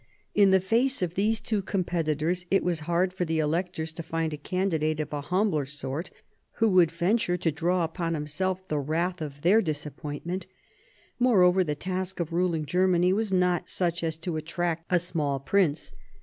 In the face of these two competitors, it was hard for the electors to find a candidate of a humbler sort who would venture to draw upon himself the wrath of their dis appointment. Moreover, the task of ruling Germany was not such as to attract a small prince.